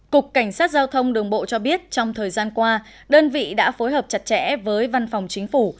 cục cảnh sát giao thông đường bộ cho biết trong thời gian qua đơn vị đã phối hợp chặt chẽ với văn phòng chính phủ